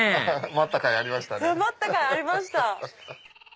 待ったかいありました！